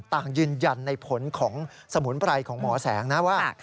ต่างยืนยันในผลของสมุนไพรของหมอแสงนะว่า